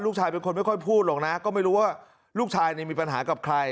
ลูกชายเป็นคนไม่ค่อยพูดหรอกนะก็ไม่รู้ว่าลูกชายมีปัญหากับใคร